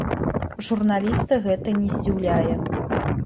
Журналіста гэта не здзіўляе.